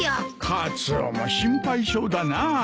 カツオも心配性だな。